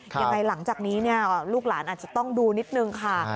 หลังจากนี้ลูกหลานอาจจะต้องดูนิดนึงค่ะ